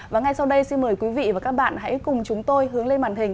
và ngay sau đây xin mời quý vị và các bạn hãy cùng chúng tôi hướng lên màn hình